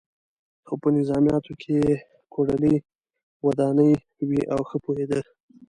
خو په نظمیاتو کې یې کوډلۍ ودانې وې او ښه پوهېده.